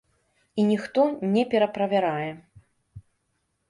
І ніхто не пераправярае.